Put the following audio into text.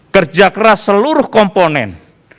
kerja keras seluruh komponen